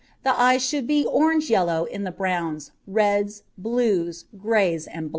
The eyes should be orange yellow in the browns, reds, blues, grays, and blacks.